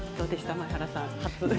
前原さん。